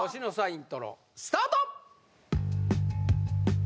イントロスタート